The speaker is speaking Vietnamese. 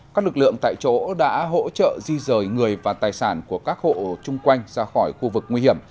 các lực lượng tại chỗ đã hỗ trợ di rời người và tài sản của các hộ chung quanh ra khỏi khu vực nguy hiểm